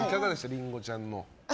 りんごちゃんの。